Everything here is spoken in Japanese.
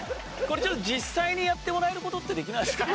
これちょっと実際にやってもらえる事ってできないですか？